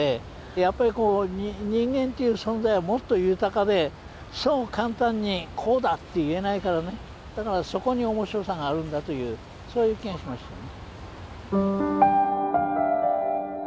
やっぱりこう人間という存在はもっと豊かでそう簡単にこうだって言えないからねだからそこに面白さがあるんだというそういう気がしましたね。